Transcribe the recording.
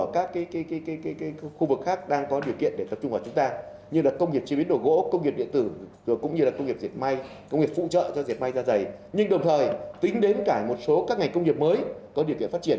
công nghiệp phụ trợ cho diệt may ra giày nhưng đồng thời tính đến cả một số các ngành công nghiệp mới có điều kiện phát triển